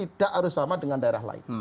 tidak harus sama dengan daerah lain